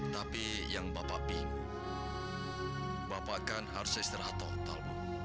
tapi yang bapak bingung bapak kan harus istirahat total